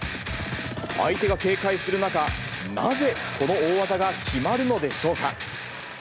相手が警戒する中、なぜこの大技が決まるのでしょうか。